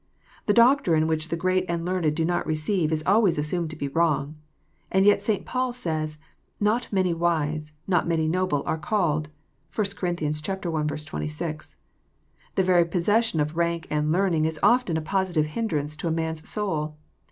The doctrine which the great and learned do not receive is always assumed to be wrong. And yet St. Paul says, " Not many wise, not many no ble j^re called." (1 Cor. i. 26.) The very possession of rauk and learning is often a positive hindrance to a man's soul.